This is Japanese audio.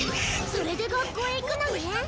それで学校へ行くのね